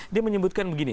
dia menyebutkan begini